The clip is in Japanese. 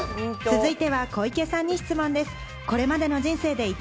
続いては小池さんに質問です。